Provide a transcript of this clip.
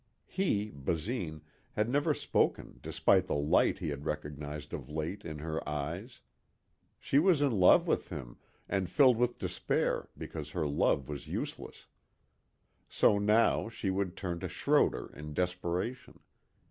He, Basine, had never spoken despite the light he had recognized of late in her eyes. She was in love with him and filled with despair because her love was useless. So now she would turn to Schroder in desperation.